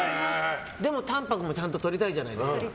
でもタンパクもちゃんととりたいじゃないですか。